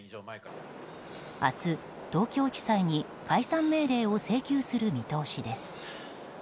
明日、東京地裁に解散命令を請求する見通しです。